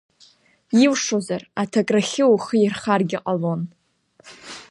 Илшозар, аҭакрахьы ухы ирхаргьы ҟалон.